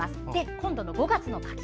今度の５月の描き